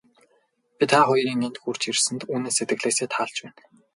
Би та хоёрын энд хүрч ирсэнд үнэн сэтгэлээсээ таалж байна.